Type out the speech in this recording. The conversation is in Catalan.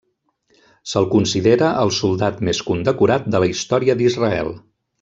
Se'l considera el soldat més condecorat de la història d'Israel.